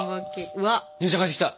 あ姉ちゃん帰ってきた！